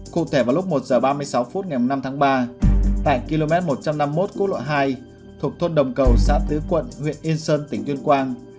cụ thể vào lúc một h ba mươi sáu phút ngày năm tháng ba tại km một trăm năm mươi một quốc lộ hai thuộc thôn đồng cầu xã tứ quận huyện yên sơn tỉnh tuyên quang